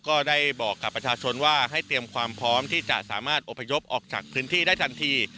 ก็ได้บอกกับประชาชนว่าให้เตรียมความพร้อมที่จะสามารถอพยพออกจากพื้นที่ได้ทันที